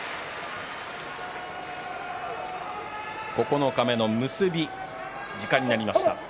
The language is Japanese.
九日目の結び、時間になりました。